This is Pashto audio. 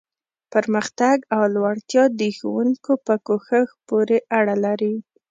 پرمختګ او لوړتیا د ښوونکو په کوښښ پورې اړه لري.